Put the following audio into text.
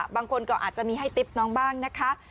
บางคนก็อาจจะมีให้ติ๊บน้องบ้างนะคะ